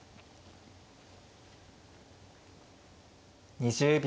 ２０秒。